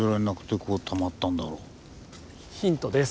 ヒントです。